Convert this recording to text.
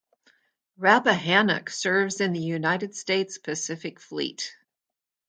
"Rappahannock" serves in the United States Pacific Fleet.